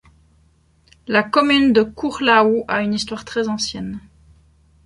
La commune de Courlaoux a une histoire très ancienne.